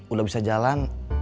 udah bisa jalan